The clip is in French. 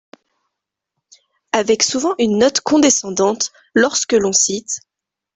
Avec souvent une note condescendante, lorsque l’on cite